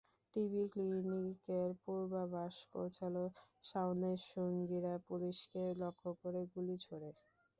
TB ক্লিনিকের পূর্বপাশে পৌঁছালে শাওনের সঙ্গীরা পুলিশকে লক্ষ্য করে গুলি ছোড়ে।